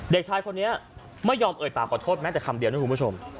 เด็กชายคนนี้ไม่ยอมเอ่ยปากขอโทษแม้แต่คำเดียวนะคุณผู้ชม